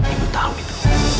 ibu tau itu